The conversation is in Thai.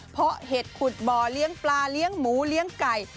เพราะเห็ดขุดบ่อเลี้ยงปลาเลี้ยงหมูเลี้ยงไก่